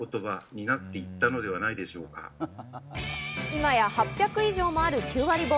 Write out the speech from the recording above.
今や８００以上もある９割本。